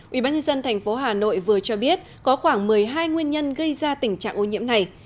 ubnd tp hà nội vừa cho biết có khoảng một mươi hai nguyên nhân gây ra tình trạng ô nhiễm này